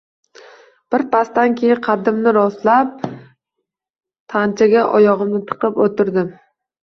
Birpasdan keyin qaddimni rostlab, tanchaga oyog‘imni tiqib o‘tirdim.